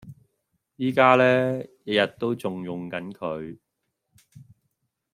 依家呢，日日都仲用緊佢！